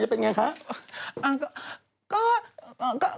หนังจะเป็นอย่างไงค่ะ